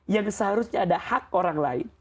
yang seharusnya ada hak orang lain